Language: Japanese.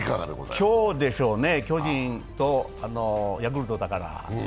今日でしょうね、巨人とヤクルトだから。